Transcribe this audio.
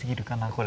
これ。